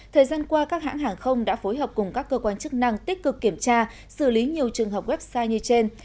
thời gian qua các hãng hàng không đã phối hợp cùng các cơ quan chức năng tích cực kiểm tra xử lý nhiều trường hợp website như trên